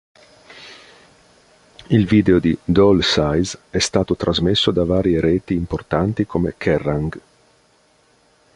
Il video di "Doll Size" è stato trasmesso da varie reti importanti come Kerrang!